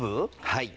はい。